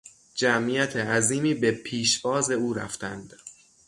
جمعیت عظیمی به پیشواز او رفتند.